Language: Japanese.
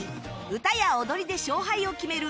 歌や踊りで勝敗を決める